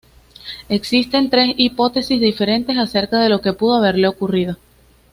Existen tres hipótesis diferentes acerca de lo que pudo haberle ocurrido.